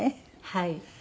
はい。